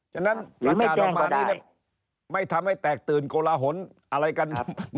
ฉะนั้นหรือไม่แจ้งก็ได้ประกาศออกมานี่เนี้ยไม่ทำให้แตกตื่นโกลาหละหนอะไรกันครับ